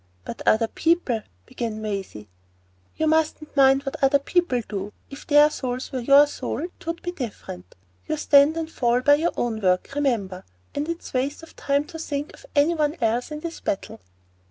"But other people——" began Maisie. "You mustn't mind what other people do. If their souls were your soul, it would be different. You stand and fall by your own work, remember, and it's waste of time to think of any one else in this battle."